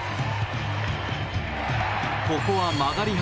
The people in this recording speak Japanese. ここは曲がり幅